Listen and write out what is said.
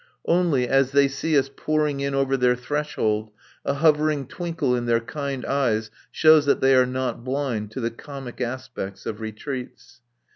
Only, as they see us pouring in over their threshold a hovering twinkle in their kind eyes shows that they are not blind to the comic aspect of retreats.